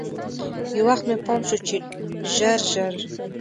یو وخت مې پام شو چې ژر ژر.